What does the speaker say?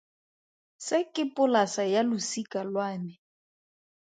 Se ke polasa ya losika lwa me.